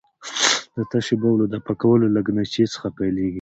د تشو بولو دفع کول له لګنچې څخه پیلېږي.